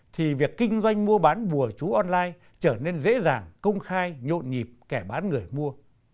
thì việc kinh doanh mua bán bùa chú online trở nên dễ dàng công khai nhộn nhịp kẻ bán người mua